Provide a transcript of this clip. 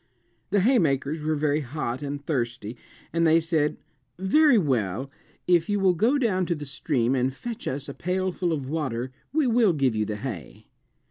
The haymakers were very hot and thirsty and they said, "Very well; if you will go down to the stream and fetch us a pailful of water we will give you the hay."